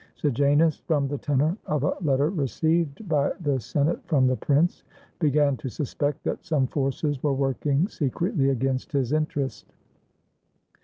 Sejanus, from the tenor of a letter received by the Senate from the Prince, began to suspect that some forces were working secretly against his interest.